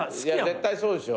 絶対そうでしょ。